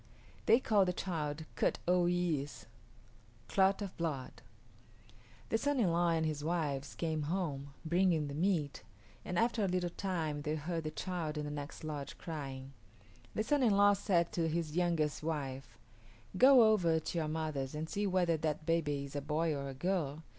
They called the child Kut o yis´ Clot of Blood. The son in law and his wives came home, bringing the meat, and after a little time they heard the child in the next lodge crying. The son in law said to his youngest wife, "Go over to your mother's and see whether that baby is a boy or a girl.